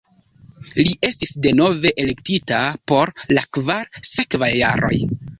Li estis denove elektita por la kvar sekvaj jaroj.